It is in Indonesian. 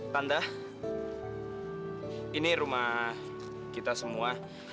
tanda ini rumah kita semua